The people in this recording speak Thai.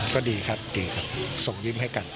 ก็ดีครับส่งยิ้มให้กัน